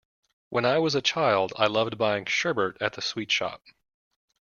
When I was a child, I loved buying sherbet at the sweet shop